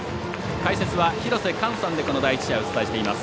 解説は廣瀬寛さんで、この第１試合をお伝えしています。